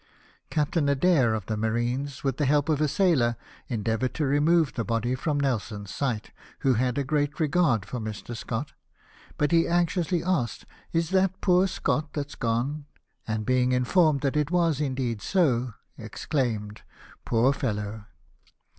Captain Adair, of the marines, with the help of a sailor, endeavoured to remove the body from Nelson's sight, who had a great regard for Mr. Scott ; but he anxiously asked " Is that poor Scott that's gone ?" and being informed that it was indeed so, exclaimed, " Poor fellow